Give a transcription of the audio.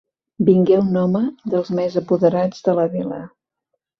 Vingué un home dels més apoderats de la vila.